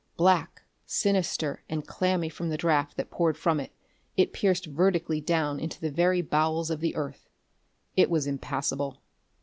Black, sinister and clammy from the draft that poured from it, it pierced vertically down into the very bowels of the earth. It was impassable.